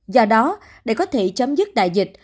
do đó để có thể chấm dứt đại dịch